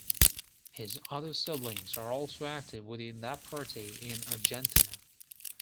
His other siblings are also active within that party in Argentina.